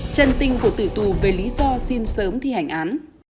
trần tinh của tử tù về lý do xin sớm thi hành án